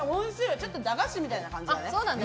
ちょっと駄菓子みたいな感じ。